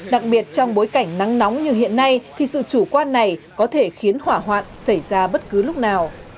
đặc biệt trong bối cảnh nắng nóng như hiện nay thì sự chủ quan này có thể khiến hỏa hoạn xảy ra bất cứ lúc nào